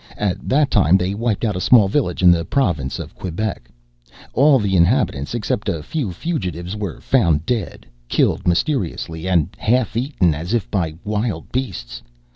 At that time they wiped out a small village in the province of Quebec. All the inhabitants, except a few fugitives, were found dead, killed mysteriously and half eaten, as if by wild beasts.